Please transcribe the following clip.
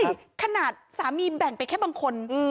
ขนาดสามีแบ่งไปแค่บางคน